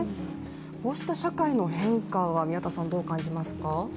こうした社会の変化はどう感じますか？